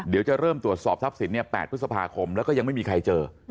เดี๋ยวจะเริ่มตรวจสอบทรัพย์สิน๘พฤษภาคมแล้วก็ยังไม่มีใครเจอ